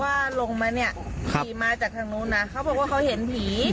ว่าลงมาเนี่ยขี่มาจากทางนู้นนะเขาบอกว่าเขาเห็นผี